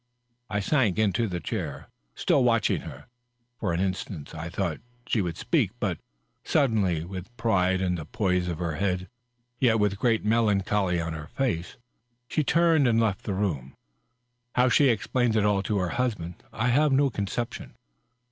I sank into a diair, still watching her. For an instant I thought that she would speak, but suddenly, with pride in the poise of her head yet with a great melancholy on her &ce, she turned and left the room. .. How she explained it all to her husband I have no conception.